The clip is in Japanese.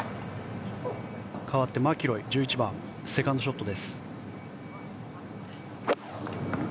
かわって、マキロイの１１番、セカンドショット。